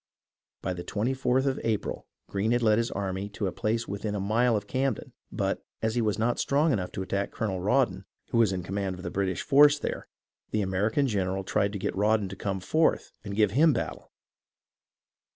By the 24th of April Greene had led his army to a place within a mile of Camden ; but, as he was not strong enough to attack Colonel Rawdon, who was in command of the British there, the American general tried to get Rawdon to come forth and give him battle.